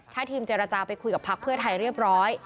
ถ้าทีมเจรจาไปคุยกับพักเพื่อไทยเรียบร้อย